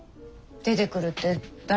出てくるって誰が？